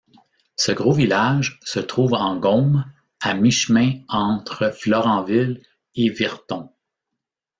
Ce gros village se trouve en Gaume, à mi-chemin entre Florenville et Virton.